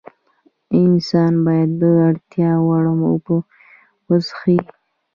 انسان باید د اړتیا وړ اوبه وڅښي